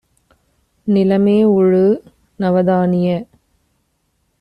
நிலமேஉழு! நவதானிய